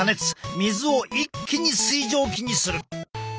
水を一気に水蒸気にする。